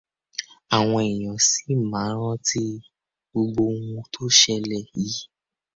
Awọn èèyàn ṣì máa ń rántí gbogbo oun tó ṣẹlẹ̀ yìí.